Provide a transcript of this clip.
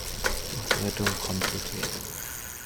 Doch die Rettung kommt zu spät.